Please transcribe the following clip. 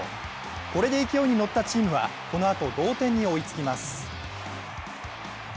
これで勢いに乗ったチームはこのあと同点に追いつきます。